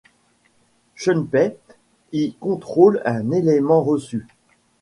Shunpei y contrôle un élément reçu.